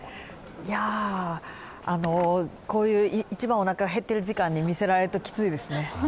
こういう一番おなかへってる時間に見せられるとつらいですね。